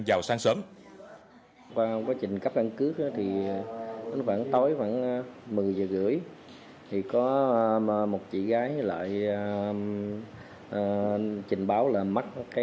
vào sáng sớm